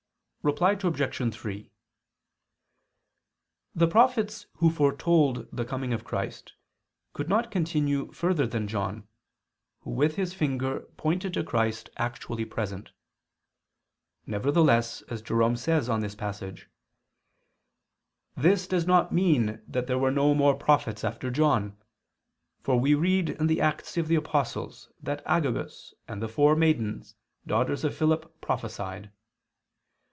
Reply Obj. 3: The prophets who foretold the coming of Christ could not continue further than John, who with his finger pointed to Christ actually present. Nevertheless as Jerome says on this passage, "This does not mean that there were no more prophets after John. For we read in the Acts of the apostles that Agabus and the four maidens, daughters of Philip, prophesied."